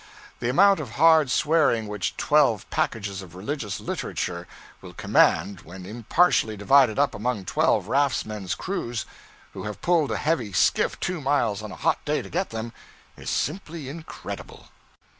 The amount of hard swearing which twelve packages of religious literature will command when impartially divided up among twelve raftsmen's crews, who have pulled a heavy skiff two miles on a hot day to get them, is simply incredible.